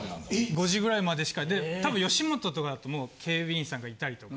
５時ぐらいまでしかたぶん吉本とかだと警備員さんがいたりとか。